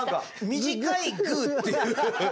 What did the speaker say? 短いグーっていう。